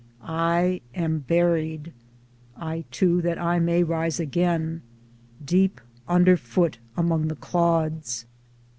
I am buried (I too that I may rise again) deep underfoot among the clods.